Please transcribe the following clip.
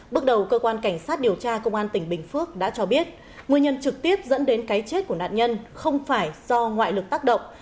bước đầu cơ quan cảnh sát điều tra công an tỉnh bình phước đã cho biết nguyên nhân trực tiếp dẫn đến cái chết của nạn nhân không phải do ngoại lực tác động